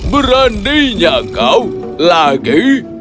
beraninya kau lagi